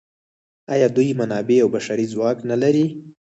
آیا دوی منابع او بشري ځواک نلري؟